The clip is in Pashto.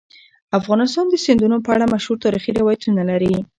افغانستان د سیندونه په اړه مشهور تاریخی روایتونه لري.